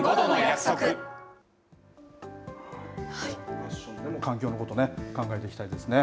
ファッションでも環境のこと考えていきたいですね